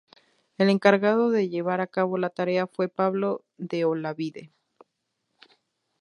El encargado de llevar a cabo la tarea fue Pablo de Olavide.